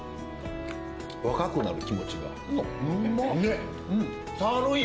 若くなる気持ちが。